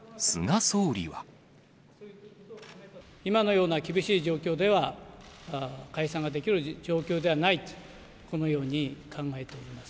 今のような厳しい状況では、解散ができる状況ではないと、このように考えております。